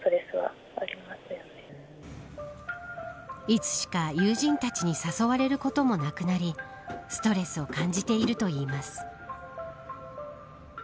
いつしか友人たちに誘われることもなくなりストレスを感じているといいます。